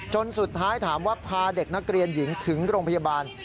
จนสุดท้ายถามว่าพาเด็กนักเรียนหญิงถึงโรงพยาบาล